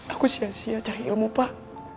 aku sia sia cari ilmu pak